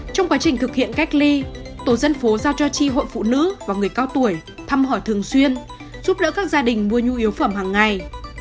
trong quá trình thực hiện cách ly tổ dân phố giao cho tri hội phụ nữ và người cao tuổi thăm hỏi thường xuyên giúp đỡ các gia đình mua nhu yếu phẩm hàng ngày